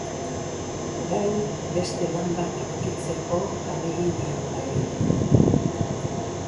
Orain beste lan bat aurkitzeko ahaleginean dabil.